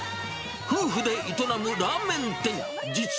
夫婦で営むラーメン店。